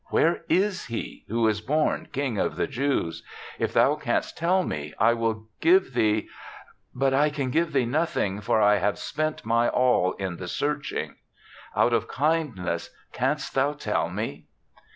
Where is he who is born King of the Jews? If thou canst tell me, I will give thee But I can give thee nothing, for I have spent my all in the searching. Out of kind ness canst thou tell me?"